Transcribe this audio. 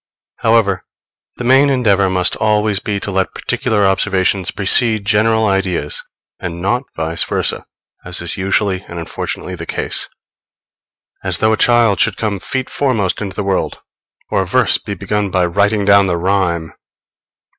However, the main endeavor must always be to let particular observations precede general ideas, and not vice versa, as is usually and unfortunately the case; as though a child should come feet foremost into the world, or a verse be begun by writing down the rhyme!